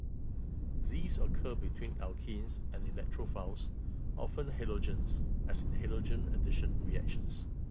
These occur between alkenes and electrophiles, often halogens as in halogen addition reactions.